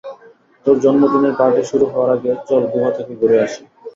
তোর জন্মদিনের পার্টি শুরু হওয়ার আগে, চল গুহা থেকে ঘুরে আসি।